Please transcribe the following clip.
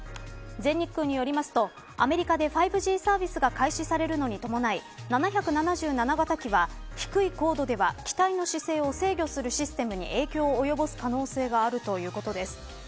全日空によりますとアメリカで５Ｇサービスが開始されるに伴い７７７型機は低い高度では、機体の姿勢を制御するシステムに影響を及ぼす可能性があるということです。